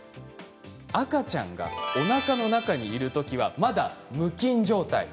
赤ちゃんがおなかの中にいる時はまだ無菌状態。